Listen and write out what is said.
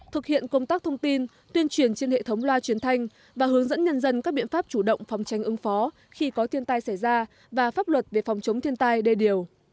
thực hiện công tác thông tin tuyên truyền trên hệ thống loa truyền thanh và hướng dẫn nhân dân các biện pháp chủ động phòng tranh ứng phó khi có thiên tai xảy ra và pháp luật về phòng chống thiên tai đề điều